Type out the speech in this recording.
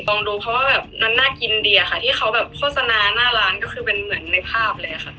ลองดูเพราะว่าน่ากินดีค่ะที่เขาโฆษณาหน้าร้านก็คือเป็นเหมือนในภาพเลยค่ะ